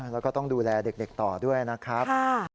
แล้วก็ต้องดูแลเด็กต่อด้วยนะครับ